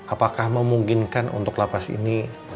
apakah memungkinkan untuk lapas ini